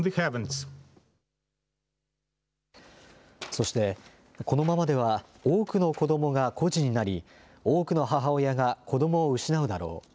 そして、このままでは多くの子どもが孤児になり多くの母親が子どもを失うだろう。